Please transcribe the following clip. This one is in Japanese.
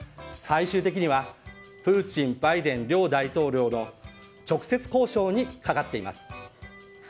最終的には、プーチンバイデン両大統領の直接交渉にかかっています。